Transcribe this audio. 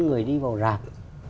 người đi vào rạp